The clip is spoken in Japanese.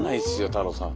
太郎さん。